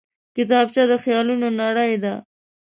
کتابچه د خیالونو نړۍ ده